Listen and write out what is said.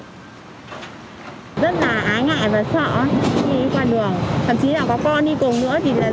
rất là ái ngại và sợ đi qua đường